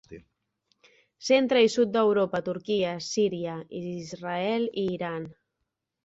Centre i sud d'Europa, Turquia, Síria, Israel i Iran.